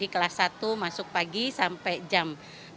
kelas satu masuk pagi sampai jam delapan empat puluh lima